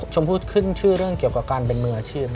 ชมพู่ขึ้นชื่อเรื่องเกี่ยวกับการเป็นมืออาชีพ